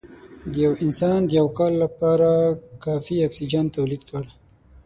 د یو انسان د یو کال لپاره کافي اکسیجن تولید کړ